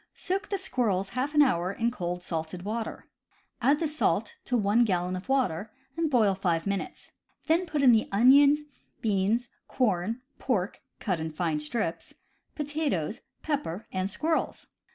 Soak the squirrels half an hour in cold salted water. Add the salt to one gallon of water, and boil five minutes. Then put in the onion, beans, corn, pork (cut in fine strips), potatoes, pepper, and squirrels.